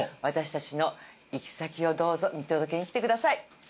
私たちの行き先をどうぞ見届けに来てください。